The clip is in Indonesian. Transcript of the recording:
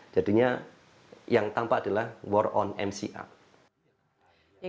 jadinya yang tampak adalah war on mca